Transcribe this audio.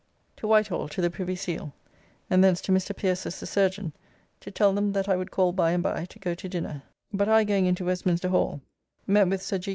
To Whitehall to the Privy Seal, and thence to Mr. Pierces the Surgeon to tell them that I would call by and by to go to dinner. But I going into Westminster Hall met with Sir G.